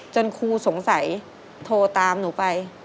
ครูสงสัยโทรตามหนูไป